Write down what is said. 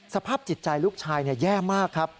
สภาพจิตใจลูกชายแย่มากครับ